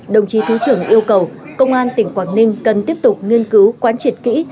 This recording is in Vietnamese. đồng chí thứ trưởng yêu cầu công an tỉnh quảng ninh cần tiếp tục nghiên cứu quán triệt kỹ